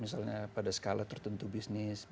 misalnya pada skala tertentu bisnis